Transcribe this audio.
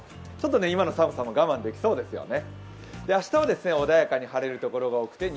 今の寒さも我慢できそうですね。